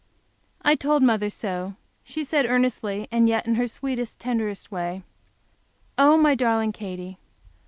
I told mother so. She said earnestly, and yet in her sweetest, tenderest way, "Oh, my darling Katy!